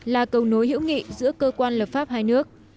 là cầu nối hữu nghị giữa cơ quan lập pháp hai nước